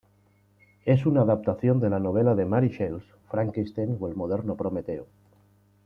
Es una adaptación de la novela de Mary Shelley "Frankenstein o el moderno Prometeo".